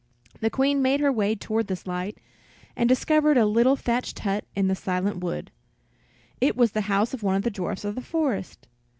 The Queen made her way toward this light, and discovered a little thatched hut in the silent wood; it was the house of one of the dwarfs of the forest.